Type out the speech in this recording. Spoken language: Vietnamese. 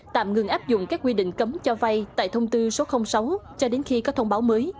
tạm ngừng áp dụng các quy định cấm cho vay tại thông tư số sáu cho đến khi có thông báo mới